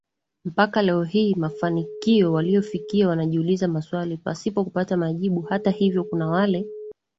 mpaka leo hii mafanikio waliyofikia wanajiuliza maswali pasipo kupata majibu Hata hivyo kuna wale